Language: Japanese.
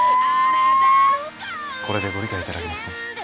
これでご理解いただけますか？